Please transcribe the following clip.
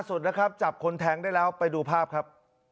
สุดนะครับจับคนแทงได้แล้วไปดูภาพครับ